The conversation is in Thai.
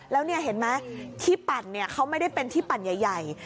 แล้วนี่เห็นไหมที่ปั่นเขาไม่ได้เป็นที่ปั่นใหญ่